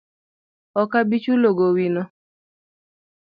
Ok abi chulo gowi no